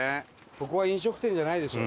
ここは飲食店じゃないでしょ。